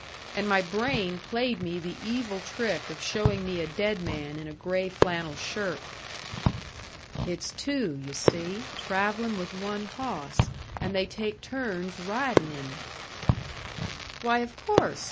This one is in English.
And my brain played me the evil trick of showing me a dead man in a gray flannel shirt. "It's two, you see, travelling with one hawss, and they take turns riding him." "Why, of course!"